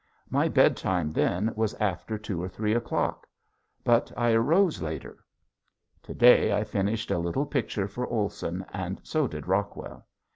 My bedtime then was after two or three o'clock but I arose later. To day I finished a little picture for Olson and so did Rockwell.